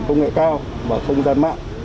công nghệ cao và không gian mạng